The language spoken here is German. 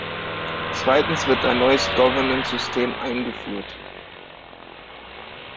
Zweitens wird ein neues Governance-System eingeführt.